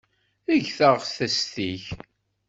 Eg taɣtest-ik.